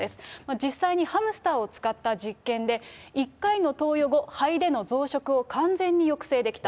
実際にハムスターを使った実験で、１回の投与後、肺での増殖を完全に抑制できた。